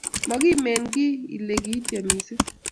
makimen kiy ile kiityem mising,